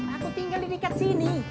aku tinggal di dekat sini